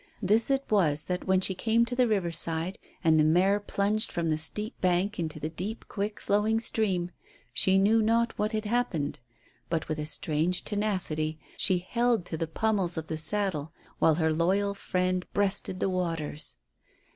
Thus it was that when she came to the riverside, and the mare plunged from the steep bank into the deep, quick flowing stream, she knew not what had happened, but, with a strange tenacity, she held to the pummels of her saddle, while her loyal friend breasted the waters.